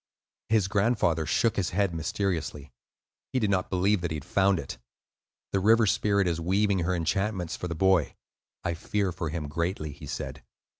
His grandfather shook his head mysteriously; he did not believe that he had found it. "The River Spirit is weaving her enchantments for the boy; I fear for him greatly," he said.